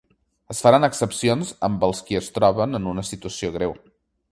Es faran excepcions amb els qui es troben en una situació greu.